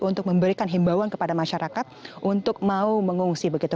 untuk memberikan himbauan kepada masyarakat untuk mau mengungsi begitu